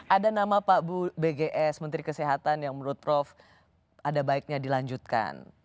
ada nama pak bu bgs menteri kesehatan yang menurut prof ada baiknya dilanjutkan